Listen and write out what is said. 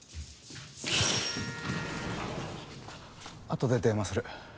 後で電話する。